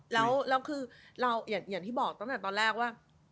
แล้วคือเราอย่างที่บอกตั้งแต่ตอนแรกว่า